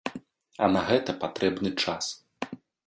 А на гэта патрэбны час.